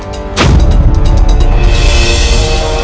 ibu naratu subanglarang